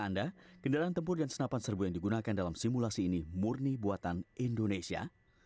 anda kendaraan tempur dan senapan serbu yang digunakan dalam simulasi ini murni buatan indonesia